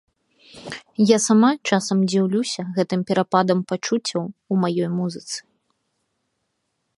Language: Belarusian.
Я сама часам дзіўлюся гэтым перападам пачуццяў у маёй музыцы.